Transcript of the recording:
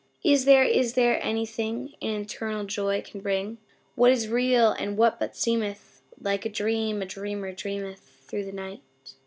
Is there, is there anything An eternal joy can bring What is real and what but seemeth Like a dream a dreamer dreameth Thru the night?